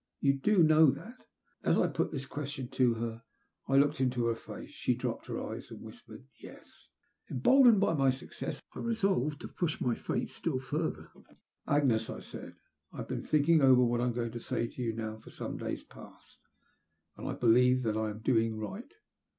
Do you know that?" As I put this question to her, I looked into her face. She dropped her eyes and whispered "Yes." Emboldened by my success I resolved to push my fate still further. Agnes," I said, " I have been thinking over what I am going to say to you now for some days past, and I believe I am doing right.